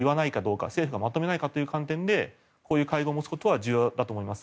規制庁の権限を侵すことを経産省が言わないかどうか政府がまとめないかという観点でこういう会合を持つことは重要だと思います。